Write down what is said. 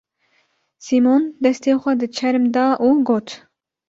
Sîmon destê xwe di çerm da û got: